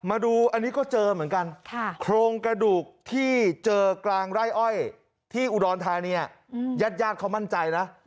มาดูอันนี้ก็เจอเหมือนกันโครงกระดูกที่เจอกลางไร่อ้อยที่อุดรธานีญาติญาติเขามั่นใจนะ